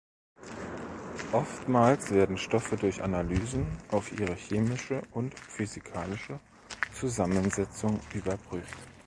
Oftmals werden Stoffe durch Analysen auf ihre chemische und physikalische Zusammensetzung überprüft.